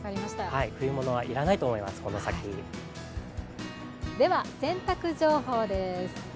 冬物はいらないと思います、この先では洗濯情報です。